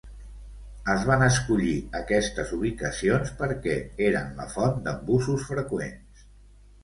Es van escollir aquestes ubicacions perquè eren la font d'embussos freqüents.